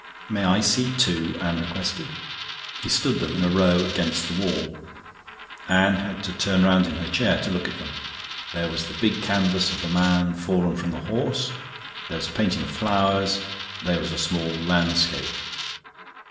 "May I see too?" Anne requested. He stood them in a row against the wall. Anne had to turn round in her chair to look at them. There was the big canvas of the man fallen from the horse, there was a painting of flowers, there was a small landscape.